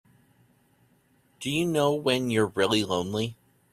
Do you know when you're really lonely?